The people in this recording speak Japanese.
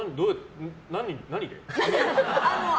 何で？